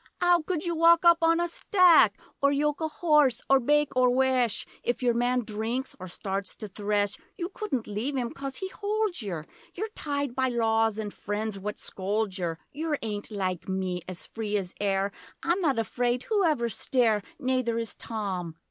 ''Ow could you wok up on a stack? Or yok a hoss or bake or wesh; If your man drinks or starts to thresh You couldn't leave him coz he holds yer: You're tied by laws and friends what scolds yer; Yer ain't like me, as free as air. I'm not afraid whoever stare, Nayther is Tom!